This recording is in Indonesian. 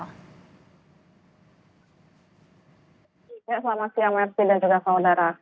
selamat siang merci dan juga saudara